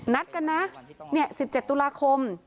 นัดกันนะ๑๗ตุลาคม